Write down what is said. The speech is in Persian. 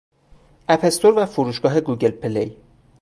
اپ استور و فروشگاه گوگل پلی